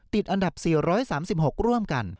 ติดอันดับ๔๓๖ร่วมกัน